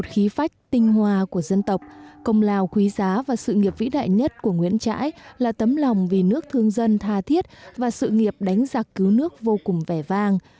khí phách tinh hoa của dân tộc công lào quý giá và sự nghiệp vĩ đại nhất của nguyễn trãi là tấm lòng vì nước thương dân tha thiết và sự nghiệp đánh giặc cứu nước vô cùng vẻ vang